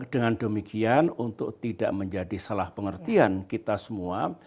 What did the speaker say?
dengan demikian untuk tidak menjadi salah pengertian kita semua